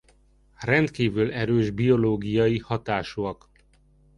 Rendkívül erős biológiai hatásúak.